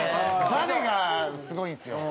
バネがすごいんですよ。